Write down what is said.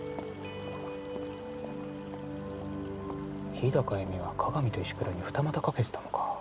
日高絵美は加賀見と石倉に二股かけてたのか。